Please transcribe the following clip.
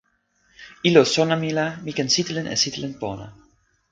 ilo sona mi la mi ken sitelen e sitelen pona.